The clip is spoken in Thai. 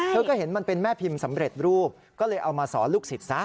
เธอก็เห็นมันเป็นแม่พิมพ์สำเร็จรูปก็เลยเอามาสอนลูกศิษย์ซะ